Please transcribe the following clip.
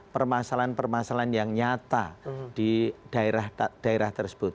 permasalahan permasalahan yang nyata di daerah daerah tersebut